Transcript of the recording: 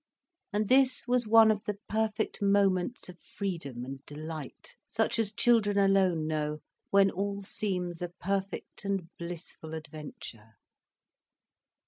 And this was one of the perfect moments of freedom and delight, such as children alone know, when all seems a perfect and blissful adventure.